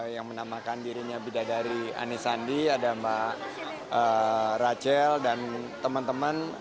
yang menamakan dirinya bidadari anies sandi ada mbak rachel dan teman teman